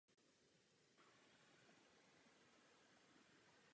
Druh se rozmnožuje semeny nebo dělením trsů.